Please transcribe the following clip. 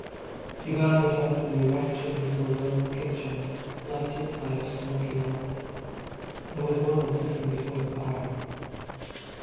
She found herself in a wretched little low kitchen, lighted by a smoky lamp. There was a woman sitting before the fire.